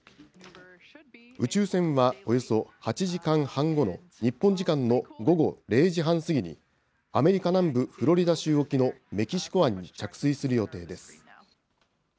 宇宙船はおよそ８時間半後の日本時間の午後０時半過ぎに、アメリカ南部フロリダ州沖のメキシコ湾に着水する予定です。